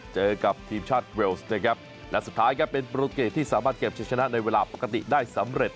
เจอกับทีมชาติเวลส์นะครับและสุดท้ายครับเป็นโปรเกตที่สามารถเก็บใช้ชนะในเวลาปกติได้สำเร็จ